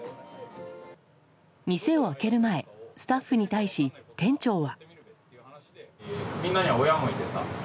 店を開ける前スタッフに対し、店長は。